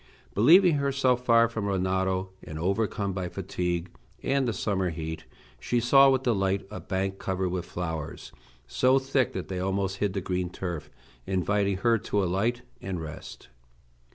Believing herself far from Rinaldo, and overcome by fatigue and the summer heat, she saw with delight a bank covered with flowers so thick that they almost hid the green turf, inviting her to alight and rest.